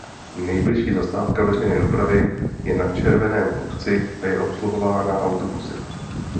Nejbližší zastávka veřejné dopravy je na Červeném kopci a je obsluhována autobusy.